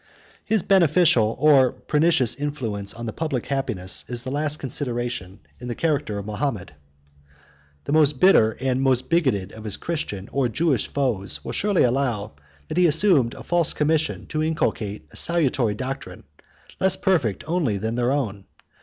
His beneficial or pernicious influence on the public happiness is the last consideration in the character of Mahomet. The most bitter or most bigoted of his Christian or Jewish foes will surely allow that he assumed a false commission to inculcate a salutary doctrine, less perfect only than their own.